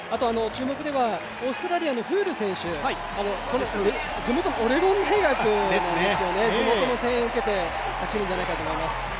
注目ではオーストラリアのフール選手地元、オレゴン大学なんですね、地元の声援を受けて走るんじゃないかと思います。